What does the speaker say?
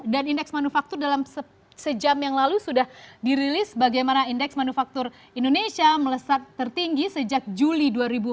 dan indeks manufaktur dalam sejam yang lalu sudah dirilis bagaimana indeks manufaktur indonesia melesat tertinggi sejak juli dua ribu empat belas